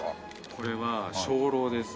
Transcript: これは鐘楼ですね。